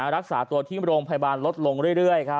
รักษาตัวที่โรงพยาบาลลดลงเรื่อย